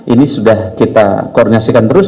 ini sudah kita koordinasikan terus